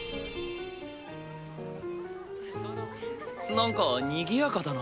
なんかにぎやかだな。